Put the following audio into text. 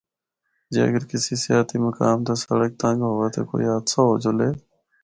جے اگر کسی سیاحتی مقام تے سڑک تنگ ہووا تے کوئی حادثہ ہو جُلے۔